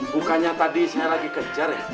bukannya tadi saya lagi kejar ya